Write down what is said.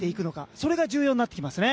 それが重要になってきますね。